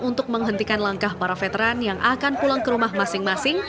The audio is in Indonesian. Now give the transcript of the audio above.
untuk menghentikan langkah para veteran yang akan pulang ke rumah masing masing